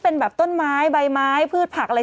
พ่อนาวยังไม่แพงใช่ไหม